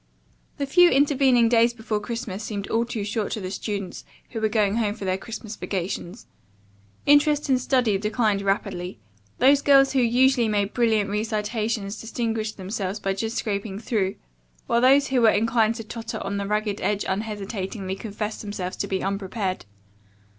The few intervening days before Christmas seemed all too short to the students who were going home for their Christmas vacations. Interest in study declined rapidly. Those girls who usually made brilliant recitations distinguished themselves by just scraping through, while those who were inclined to totter on the ragged edge unhesitatingly confessed themselves to be unprepared.